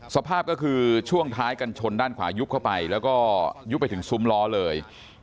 สภาพก็คือช่วงท้ายกันชนด้านขวายุบเข้าไปแล้วก็ยุบไปถึงซุ้มล้อเลย